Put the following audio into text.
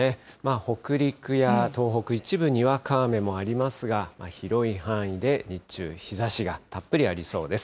北陸や東北、一部にわか雨もありますが、広い範囲で日中、日ざしがたっぷりありそうです。